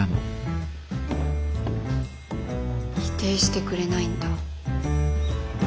否定してくれないんだ。